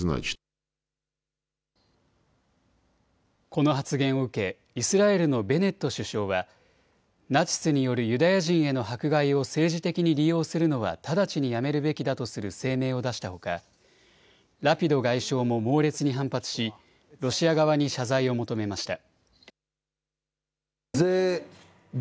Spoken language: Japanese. この発言を受け、イスラエルのベネット首相は、ナチスによるユダヤ人への迫害を政治的に利用するのは直ちにやめるべきだとする声明を出したほか、ラピド外相も猛烈に反発し、ロシア側に謝罪を求めました。